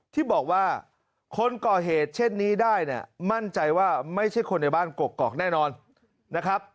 ที่บอกว่าคนก่อเหตุเช่นนี้ได้เนี่ยมั่นใจว่าไม่ใช่คนในบ้านกกอกแน่นอนนะครับ